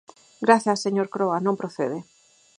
Grazas, señor Croa, non procede.